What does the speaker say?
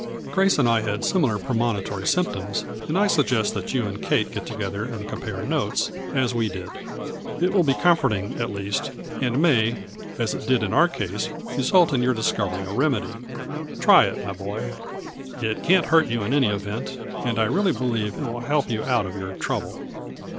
Grace and I had similar premonitory symptoms, and I suggest that you and Kate get together and compare notes, as we did. It will be comforting at least, and may, as it did in our case, result in your discovering a remedy. Try it, my boy. It can't hurt you in any event, and I really believe it will help you out of your trouble."